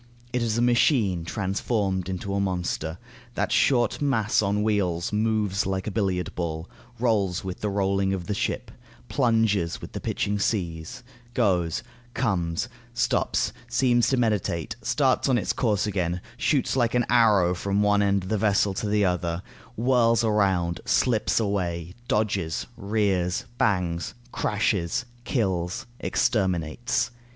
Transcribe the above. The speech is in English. It is a machine transformed into a monster. That short mass on wheels moves like a billiard ball, rolls with the rolling of the ship, plunges with the pitching goes, comes, stops, seems to meditate, starts on its course again, shoots like an arrow from one end of the vessel to the other, whirls around, slips away, dodges, rears, bangs, crashes, kills, exterminates.